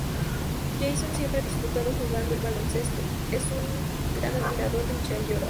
Jason siempre ha disfrutado jugando al baloncesto, es un gran admirador de Michael Jordan.